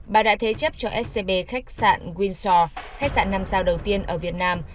bà đã thế chấp cho scb khách sạn winsur khách sạn năm sao đầu tiên ở việt nam